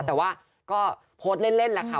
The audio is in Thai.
แต่ว่าก็โพสต์เล่นแหละค่ะ